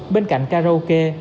bên cạnh karaoke